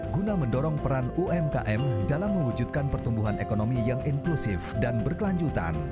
guna mendorong peran umkm dalam mewujudkan pertumbuhan ekonomi yang inklusif dan berkelanjutan